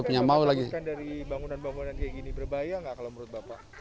apa yang anda lakukan dari bangunan bangunan kayak gini berbahaya nggak kalau menurut bapak